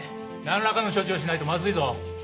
何らかの処置をしないとまずいぞ。